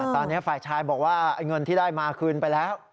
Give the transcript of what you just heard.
ตอนนี้ฝ่ายชายบอกว่าเงินที่ได้มาคืนไปแล้ว